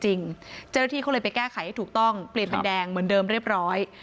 เจ้าหน้าที่เขาเลยไปแก้ไขให้ถูกต้องเปลี่ยนเป็นแดงเหมือนเดิมเรียบร้อย